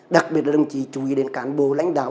đặc biệt là đồng chí chú ý đến cán bộ lãnh đạo